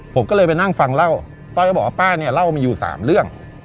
ผมก็เลยไปนั่งฟังเล่าต้อยก็บอกว่าป้าเนี่ยเล่ามีอยู่๓เรื่อง